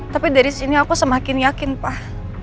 tapi dari sini aku semakin yakin pak